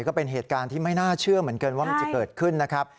ก็เป็นเหตุการณ์ที่ไม่น่าเชื่อเหมือนกันว่ามันจะเกิดขึ้นนะครับ